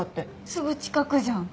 すぐ近くじゃん。